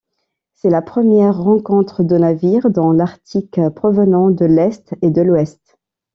C'est la première rencontre de navires dans l'Arctique provenant de l'est et de l'ouest.